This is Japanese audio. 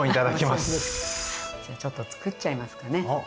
じゃちょっとつくっちゃいますかね。